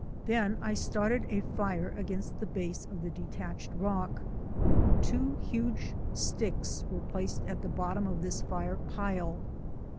Then I started a fire against the base of the detached rock. Two huge sticks were placed at the bottom of this fire pile.